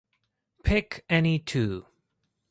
Pick any two.